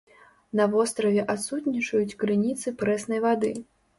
На востраве адсутнічаюць крыніцы прэснай вады.